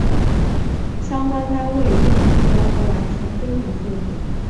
相关单位并于一周后完成更名作业。